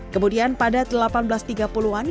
kemudian pada seribu delapan ratus tiga puluh an